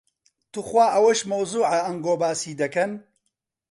توخوا ئەوەش مەوزوعە ئەنگۆ باسی دەکەن.